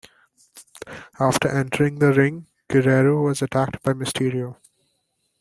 After entering the ring, Guerrero was attacked by Mysterio.